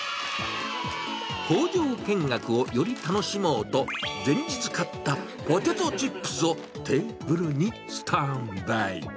工場見学をより楽しもうと、前日買ったポテトチップスをテーブルにスタンバイ。